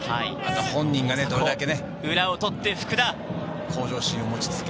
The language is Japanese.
あと本人がどれだけね。